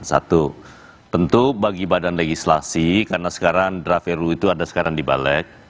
satu tentu bagi badan legislasi karena sekarang draft ru itu ada sekarang di balek